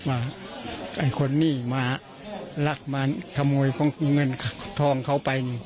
ไอ้คนนี้คนนี้หมารักมาขโมยเงินทองเค้าไป